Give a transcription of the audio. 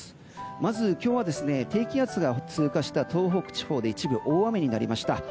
まず今日は低気圧が通過した東北地方で一部、大雨になりました。